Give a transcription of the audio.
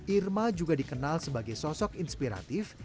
irma juga dikenal sebagai sosok inspiratif